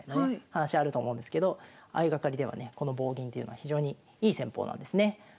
話あると思うんですけど相掛かりではねこの棒銀というのは非常にいい戦法なんですね。